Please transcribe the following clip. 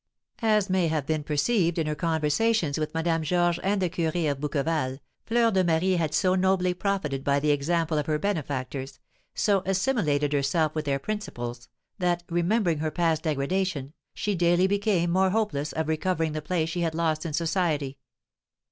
As may have been perceived in her conversations with Madame Georges and the curé of Bouqueval, Fleur de Marie had so nobly profited by the example of her benefactors, so assimilated herself with their principles, that, remembering her past degradation, she daily became more hopeless of recovering the place she had lost in society.